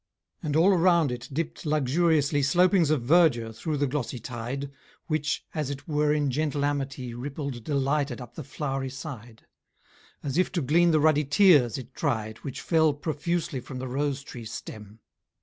And all around it dipp'd luxuriously Slopings of verdure through the glossy tide, Which, as it were in gentle amity, Rippled delighted up the flowery side; As if to glean the ruddy tears, it tried, Which fell profusely from the rose tree stem!